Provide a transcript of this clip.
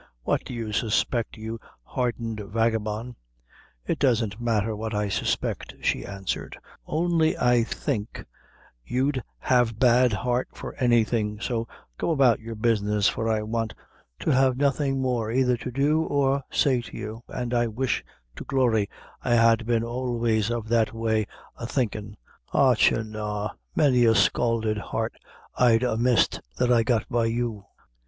"What do you suspect, you hardened vagabond?" "It doesn't matther what I suspect," she answered; "only I think you'd have bad heart for anything so go about your business, for I want to have nothing more either to do or say to you an' I wish to glory I had been always of that way o' thinkin', a chiernah! many a scalded heart I'd a missed that I got by you."